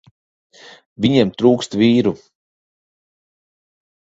Viņiem trūkst vīru.